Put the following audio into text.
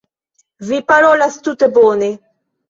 Vi parolas tute bone.